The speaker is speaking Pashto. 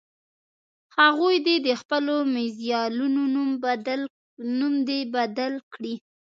هغوی دې د خپلو میزایلونو نوم دې بدل کړي.